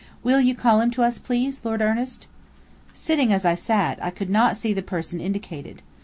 Will you call him to us, please, Lord Ernest?" Sitting as I sat, I could not see the person indicated.